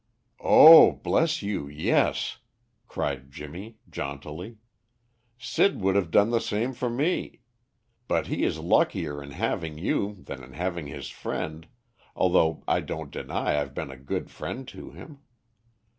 "Oh, bless you, yes," cried Jimmy, jauntily. "Sid would have done the same for me. But he is luckier in having you than in having his friend, although I don't deny I've been a good friend to him.